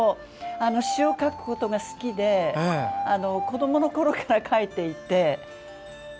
詞を書くことが好きで子どものころから書いていて。